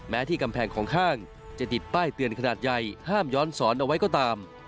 ที่กำแพงของห้างจะติดป้ายเตือนขนาดใหญ่ห้ามย้อนสอนเอาไว้ก็ตาม